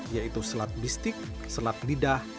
yaitu slat bistik slat didalem